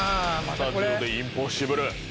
スタジオでインポッシブル！